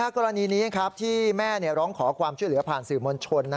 กรณีนี้ที่แม่ร้องขอความช่วยเหลือผ่านสื่อมวลชน